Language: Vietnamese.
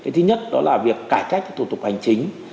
thứ nhất đó là việc cải cách thủ tục hành chính